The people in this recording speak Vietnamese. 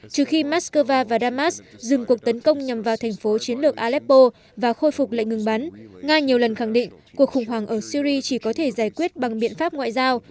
trừ khi moscow và damas dừng cuộc tấn công nhằm vào thành phố chiến lược aleppo và khôi phục lệnh ngừng bắn nga nhiều lần khẳng định cuộc khủng hoảng ở syri chỉ có thể giải quyết bằng biện pháp ngoại giao